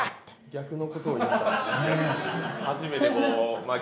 逆のことを言われた。